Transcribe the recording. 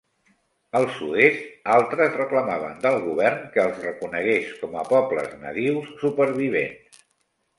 Al sud-est, altres reclamaven del govern que els reconegués com a pobles nadius supervivents.